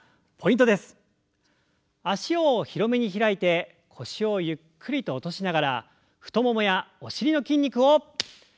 脚を広めに開いて腰をゆっくりと落としながら太ももやお尻の筋肉を刺激していきましょう。